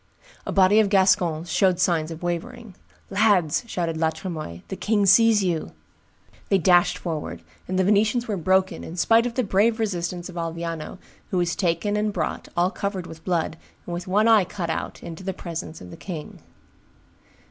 A body of Gascons showed signs of wavering: "Lads," shouted La Tremoille, "the king sees you." They dashed forward; and the Venetians were broken, in spite of the brave resistance of Alviano, who was taken and brought, all covered with blood, and with one eye out, into the presence of the king.